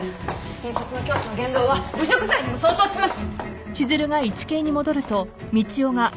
引率の教師の言動は侮辱罪にも相当します！